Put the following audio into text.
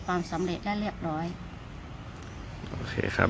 สวัสดีครับ